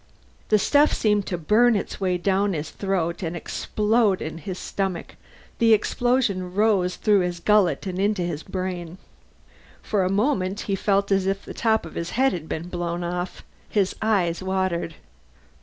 The stuff seemed to burn its way down his throat and explode in his stomach; the explosion rose through his gullet and into his brain. For a moment he felt as if the top of his head had been blown off. His eyes watered.